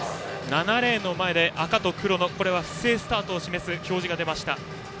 ７レーンの前で赤と黒の不正スタートを示す表示が出ました。